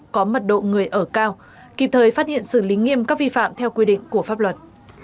có mật độ người ở cao kịp thời phát hiện xử lý nghiêm các vi phạm theo quy định của pháp luật